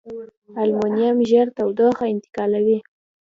المونیم ژر تودوخه انتقالوي.